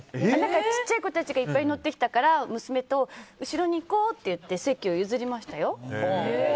小さい子たちがいっぱい乗ってきたから娘と後ろに行こうっていって席を譲りましたよ。